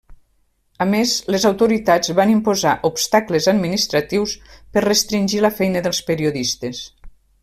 A més, les autoritats van imposar obstacles administratius per restringir la feina dels periodistes.